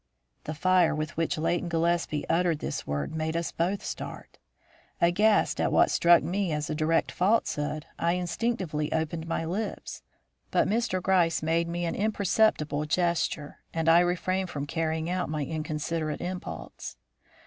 The fire with which Leighton Gillespie uttered this word made us both start. Aghast at what struck me as a direct falsehood, I instinctively opened my lips. But Mr. Gryce made me an imperceptible gesture, and I refrained from carrying out my inconsiderate impulse.